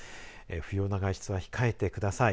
不要な外出は控えてください。